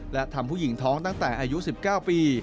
และทำผู้หญิงท้องตั้งแต่อายุ๑๙ปี